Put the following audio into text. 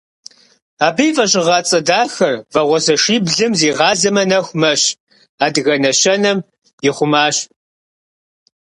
Абы и фӀэщыгъэцӀэ дахэр «Вагъуэзэшиблым зигъазэмэ, нэху мэщ» адыгэ нэщэнэм ихъумащ.